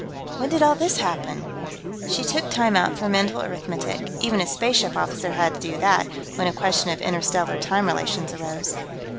"When did all this happen?" She took time out for mental arithmetic; even a spaceship officer had to do that, when a question of interstellar time relations arose.